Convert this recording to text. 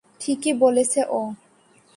ঠিকই বলেছে ও।